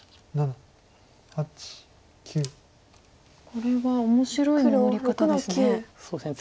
これは面白い守り方ですね。